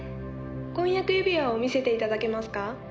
「婚約指輪を見せていただけますか？」